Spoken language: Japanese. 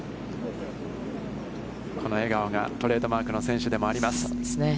この笑顔がトレードマークの選手でもあります。